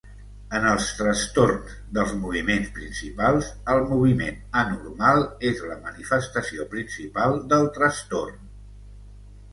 En els trastorns dels moviments principals, el moviment anormal és la manifestació principal del trastorn.